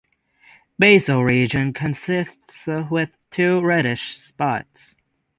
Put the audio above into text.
Basal region consists with two reddish spots.